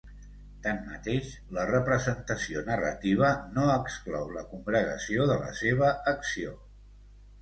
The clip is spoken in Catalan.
Tanmateix, la representació narrativa no exclou la congregació de la seva acció.